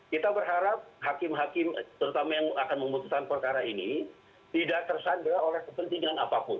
kita berharap hakim hakim terutama yang akan memutuskan perkara ini tidak tersandra oleh kepentingan apapun